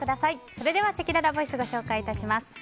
それではせきららボイスをご紹介します。